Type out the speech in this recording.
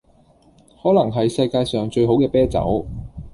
可能系世界上最好嘅啤酒